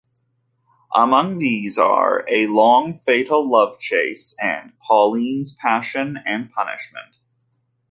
Among these are "A Long Fatal Love Chase" and "Pauline's Passion and Punishment".